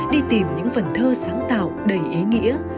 đi tìm những phần thơ sáng tạo đầy ý nghĩa